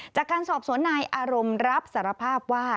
จากการสอบสวนนายอารมณ์รับสารภาพว่า